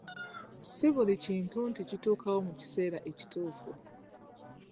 Si buli kintu nti kituukawo mu kiseera ekituufu.